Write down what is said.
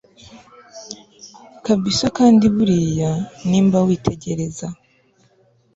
kabsa kandi buriya nimba witegereza